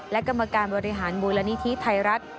และกรรมการบริหารมูลนิธิไทยรัฐ